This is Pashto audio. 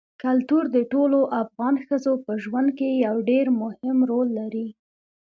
کلتور د ټولو افغان ښځو په ژوند کې یو ډېر مهم رول لري.